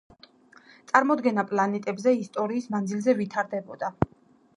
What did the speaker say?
წარმოდგენა პლანეტებზე ისტორიის მანძილზე ვითარდებოდა